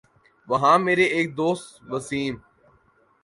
وہاں میرے ایک دوست وسیم